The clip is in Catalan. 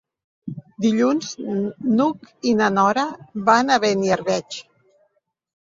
Dilluns n'Hug i na Nora van a Beniarbeig.